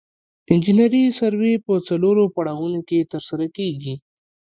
انجنیري سروې په څلورو پړاوونو کې ترسره کیږي